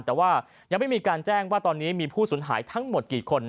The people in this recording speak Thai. แต่ว่ายังไม่มีการแจ้งว่าตอนนี้มีผู้สูญหายทั้งหมดกี่คน